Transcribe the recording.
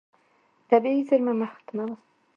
طبیعي زیرمه مه ختموه.